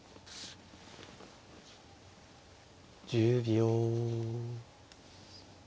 １０秒。